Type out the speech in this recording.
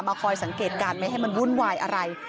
คอยสังเกตการณ์ไม่ให้มันวุ่นวายอะไร